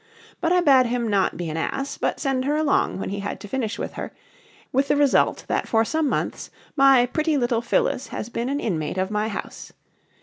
But I bade him not be an ass, but send her along when he had to finish with her; with the result that for some months my pretty little Phyllis has been an inmate of my house.